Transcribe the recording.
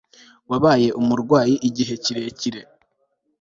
Wabaye umurwayi igihe kirekire